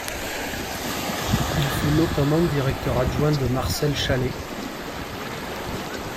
Il fut notamment directeur adjoint de Marcel Chalet.